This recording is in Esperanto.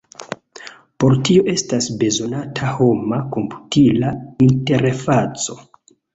Por tio estas bezonata homa-komputila interfaco.